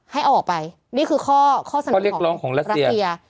ให้ออกไปนี่คือข้อข้อเรียกร้องของรัสเซีย